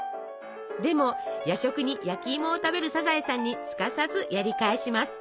でも夜食に焼きいもを食べるサザエさんにすかさずやり返します。